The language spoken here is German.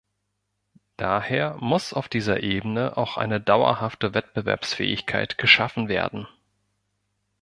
Daher muss auf dieser Ebene auch eine dauerhafte Wettbewerbsfähigkeit geschaffen werden.